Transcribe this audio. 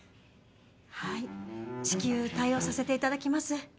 はい至急対応させていただきます。